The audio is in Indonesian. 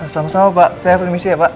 sama sama pak saya permisi ya pak